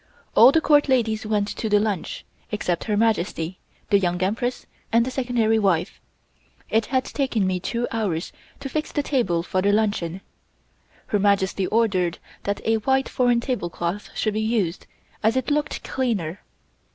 All the Court ladies went to the lunch, except Her Majesty, the Young Empress and the Secondary wife. It had taken me two hours to fix the table for the luncheon. Her Majesty ordered that a white foreign tablecloth should be used, as it looked cleaner.